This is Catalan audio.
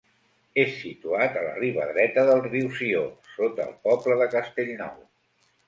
És situat a la riba dreta del riu Sió, sota el poble de Castellnou.